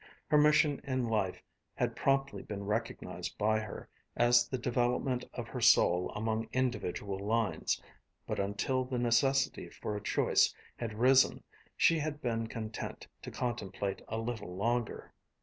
Her mission in life had promptly been recognized by her as the development of her soul along individual lines, but until the necessity for a choice had arisen she had been content to contemplate a little longer.